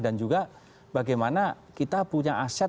dan juga bagaimana kita punya aset akses kepada